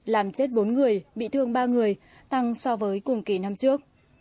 làm chết bốn người bị thương ba người tăng so với cùng kỳ năm trước